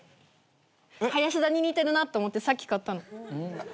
林田に似てるなと思ってさっき買ったの。